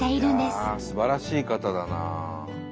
すばらしい方だなあ。